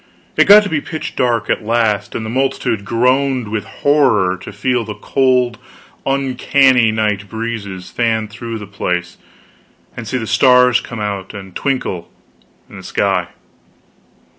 It got to be pitch dark, at last, and the multitude groaned with horror to feel the cold uncanny night breezes fan through the place and see the stars come out and twinkle in the sky.